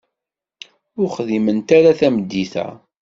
Ur xdiment ara tameddit-a.